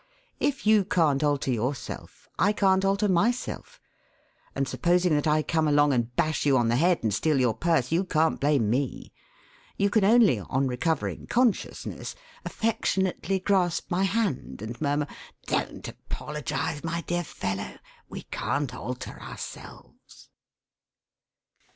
If you can't alter yourself, I can't alter myself, and supposing that I come along and bash you on the head and steal your purse, you can't blame me. You can only, on recovering consciousness, affectionately grasp my hand and murmur: 'Don't apologise, my dear fellow; we can't alter ourselves.'